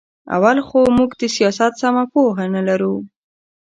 اول خو موږ د سیاست سمه پوهه نه لرو.